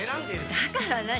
だから何？